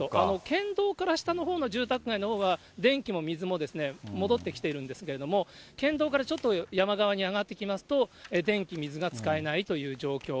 県道から下のほうの住宅街のほうは電気も水も戻ってきているんですけれども、県道からちょっと上、山側に上がってきますと、電気、水が使えないという状況。